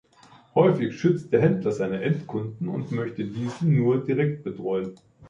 Häufig schützt der Händler seine Endkunden und möchte diese nur direkt betreuen.